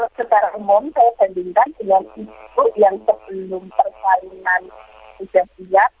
kalau secara umum saya bandingkan dengan ibu yang sebelum persaingan sudah siap